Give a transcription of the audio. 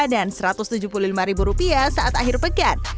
dan rp satu ratus tujuh puluh lima saat akhir pekan